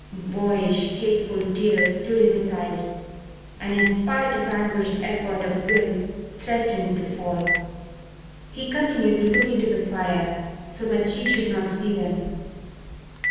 Boyish, hateful tears stood in his eyes and, in spite of anguished effort of will, threatened to fall. He continued to look into the fire, so that she should not see them.